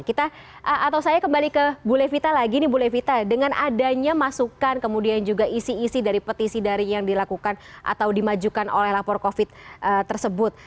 atau saya kembali ke bu levita lagi nih bu levita dengan adanya masukan kemudian juga isi isi dari petisi daring yang dilakukan atau dimajukan oleh lapor covid tersebut